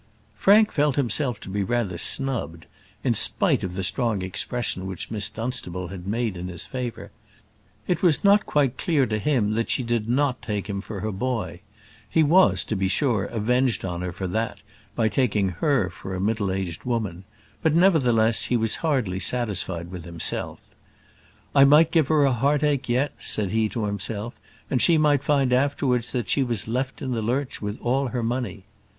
Frank felt himself to be rather snubbed, in spite of the strong expression which Miss Dunstable had made in his favour. It was not quite clear to him that she did not take him for a boy. He was, to be sure, avenged on her for that by taking her for a middle aged woman; but, nevertheless, he was hardly satisfied with himself; "I might give her a heartache yet," said he to himself, "and she might find afterwards that she was left in the lurch with all her money."